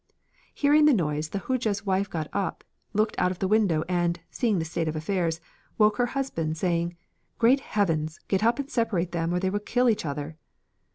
Hearing the noise, the Hodja's wife got up, looked out of the window and, seeing the state of affairs, woke her husband, saying: 'Great heavens, get up and separate them or they will kill each other.'